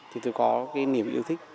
thì tôi có cái niềm yêu thích